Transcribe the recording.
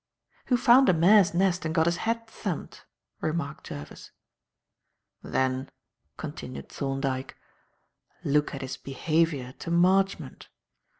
"Who found a mare's nest and got his head thumped," remarked Jervis. "Then," continued Thorndyke, "look at his behaviour to Marchmont.